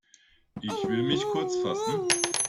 Ich will mich kurz fassen.